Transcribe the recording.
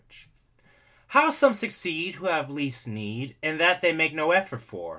SUCCESS How some succeed, who have least need, In that they make no effort for!